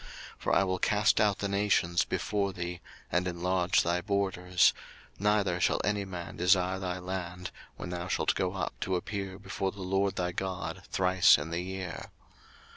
02:034:024 For I will cast out the nations before thee, and enlarge thy borders: neither shall any man desire thy land, when thou shalt go up to appear before the LORD thy God thrice in the year.